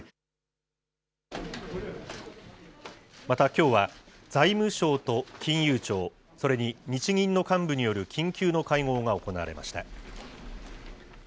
またきょうは、財務省と金融庁、それに日銀の幹部による緊急の会合が行われました。